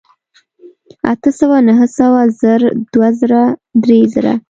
اتۀ سوه نهه سوه زر دوه زره درې زره